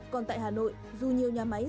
còn tại hà nội dù nhiều nhà máy